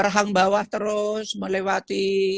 erhang bawah terus melewati